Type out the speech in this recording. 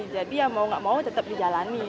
jadi ya mau gak mau tetap dijalani